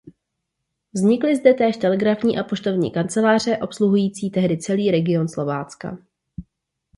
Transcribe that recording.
Vznikly zde též telegrafní a poštovní kanceláře obsluhující tehdy celý region Slovácka.